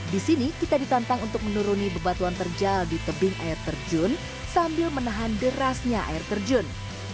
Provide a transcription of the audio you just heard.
di sini kita ditantang untuk menuruni bebatuan terjal di tebing air terjun sambil menahan derasnya air terjun